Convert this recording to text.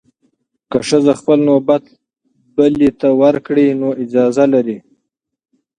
که ښځه خپل نوبت بلې ته ورکړي، نو اجازه لري.